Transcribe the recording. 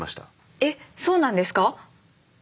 えっそうなんですか？